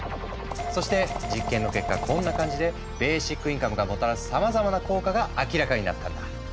そして実験の結果こんな感じでベーシックインカムがもたらすさまざまな効果が明らかになったんだ。